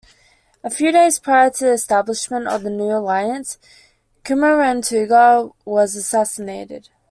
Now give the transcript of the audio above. A few days prior to the establishment of the new alliance, Kumaranatunga was assassinated.